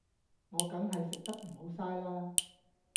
我梗係食得唔好嘥啦